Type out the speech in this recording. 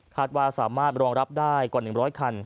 ว่าสามารถรองรับได้กว่า๑๐๐คัน